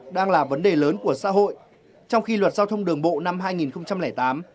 đang là vấn đề lớn của xã hội trong khi luật giao thông đường bộ năm hai nghìn tám